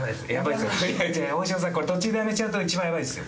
これ途中でやめちゃうと一番やばいですよ。